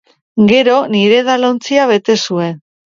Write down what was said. Gero, nire edalontzia bete zuen.